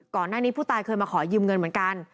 ก่อนหน้านี้ผู้ตายเคยมาขอยืมเงินเหมือนกัน